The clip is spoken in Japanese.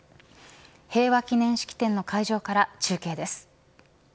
平和記念式典の会場から中継です。